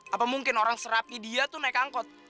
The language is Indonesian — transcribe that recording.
apa mungkin orang serapi dia tuh naik angkot